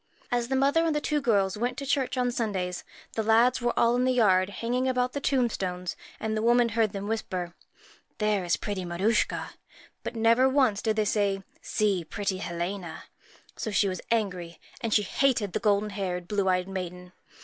As the mother and the two girls went to church on Sundays, the lads were all in the yard hanging about the tombstones ; and the old woman heard them whisper, 'There is pretty Maruschka;' but never once did they say, ' See pretty Helena.' So she was angry, and hated the golden haired, blue eyed maiden.